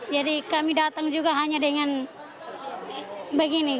jadi kami datang juga hanya dengan begini